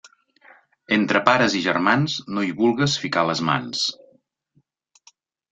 Entre pares i germans no hi vulgues ficar les mans.